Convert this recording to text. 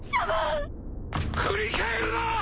振り返るな！